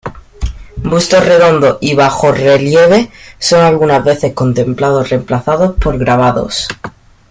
Busto redondo y bajorrelieve son algunas veces completados o reemplazados por grabados.